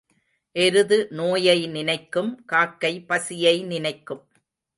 எருது நோயை நினைக்கும் காக்கை பசியை நினைக்கும்.